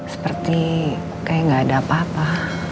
seperti kayak gak ada apa apa